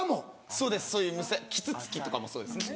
そうです「キツツキ」とかもそうですね。